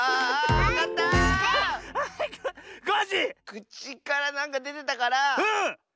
くちからなんかでてたからマジシャン？